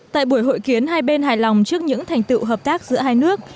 tại buổi hội kiến hai bên hài lòng trước những thành tựu hợp tác giữa hai nước